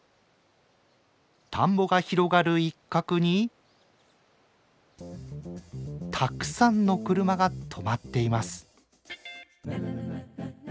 田んぼが広がる一角にたくさんの車が止まっています。